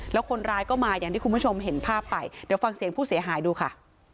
แล้วคนร้ายก็มาอย่างที่คุณผู้ชมเห็นภาพไปเดี๋ยวฟังเสียงผู้เสียหายดูค่ะ